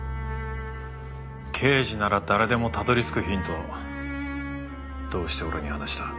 刑事なら誰でもたどり着くヒントをどうして俺に話した？